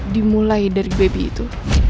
dimulai dari baby itu